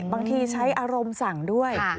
บางทีใช้อารมณ์สั่งด้วย